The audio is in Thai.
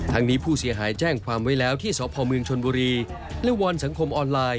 ทางนี้ผู้เสียหายแจ้งความไว้แล้วที่สพเมืองชนบุรีและวอนสังคมออนไลน์